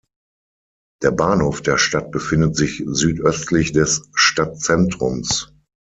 Der Bahnhof der Stadt befindet sich südöstlich des Stadtzentrums.